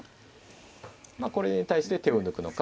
まあこれに対して手を抜くのか。